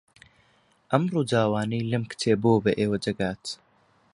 ئەم ڕووداوانەی لەم کتێبەوە بە ئێوە دەگات